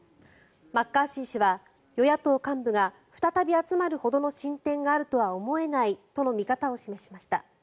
マッカーシー氏は与野党幹部が再び集まるほどの進展があるとは思えないとの見方を示しました。